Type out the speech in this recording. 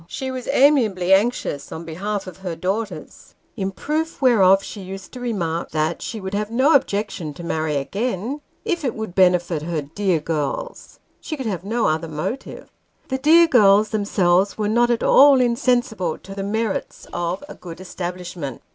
She was amiably anxious on behalf of her daughters ; in proof whereof she used to remark, that she would have no objection to marry again, if it would benefit her dear girls she could have no other motive. The " dear girls " themselves were not at all insensible to the merits of " a good establishment."